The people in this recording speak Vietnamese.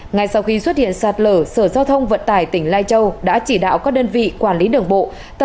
ngay sau khi xuất hiện sạt lở sở giao thông vận tải tỉnh lai châu đã chỉ đạo các đơn vị quản lý đường bộ